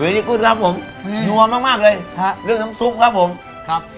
ดีกว่ามากมากเลยครับเรื่องน้ำซุปครับผมครับ